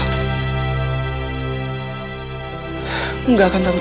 aku gak akan tante